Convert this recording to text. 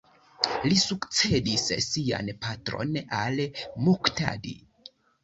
Li sukcedis sian patron al-Muktadi.